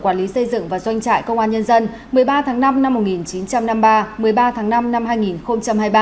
quản lý xây dựng và doanh trại công an nhân dân một mươi ba tháng năm năm một nghìn chín trăm năm mươi ba một mươi ba tháng năm năm hai nghìn hai mươi ba